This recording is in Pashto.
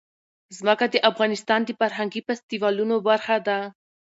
ځمکه د افغانستان د فرهنګي فستیوالونو برخه ده.